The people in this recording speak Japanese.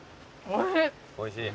おいしい。